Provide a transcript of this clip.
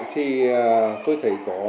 thì tôi thấy có